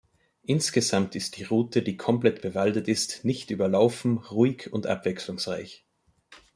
Insgesamt ist die Route, die komplett bewaldet ist, nicht überlaufen, ruhig und abwechslungsreich.